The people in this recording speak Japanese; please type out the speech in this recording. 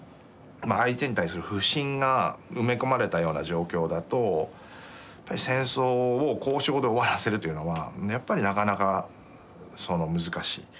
相手に対する不信が埋め込まれたような状況だと戦争を交渉で終わらせるというのはやっぱりなかなか難しい。